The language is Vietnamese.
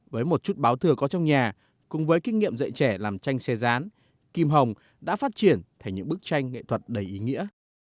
với một chút báo thừa có trong nhà cùng với kinh nghiệm dạy trẻ làm tranh xe rán kim hồng đã phát triển thành những bức tranh nghệ thuật đầy ý nghĩa